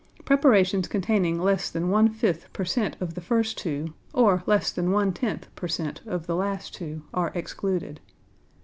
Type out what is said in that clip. Preparations containing less than 1/5 per cent. of the first two or less than 1/10 per cent. of the last two are excluded.